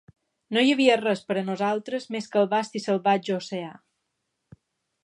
No hi havia res per a nosaltres més que el vast i salvatge oceà.